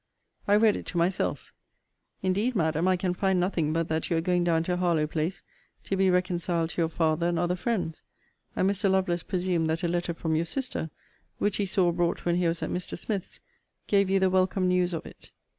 I read it to myself Indeed, Madam, I can find nothing but that you are going down to Harlowe place to be reconciled to your father and other friends: and Mr. Lovelace presumed that a letter from your sister, which he saw brought when he was at Mr. Smith's, gave you the welcome news of it.